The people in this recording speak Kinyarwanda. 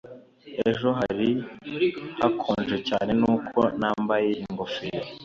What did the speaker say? Ejo hari hakonje cyane nuko nambaye ingofero.